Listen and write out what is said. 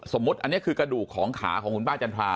สมมุติอันนี้คือกระดูกของขาของคุณป้าจันทรา